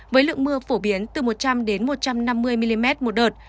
với lượng mưa phổ biến từ một trăm linh một trăm năm mươi mm một đợt